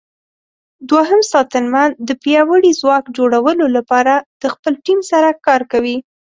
دوهم ساتنمن د پیاوړي ځواک جوړولو لپاره د خپل ټیم سره کار کوي.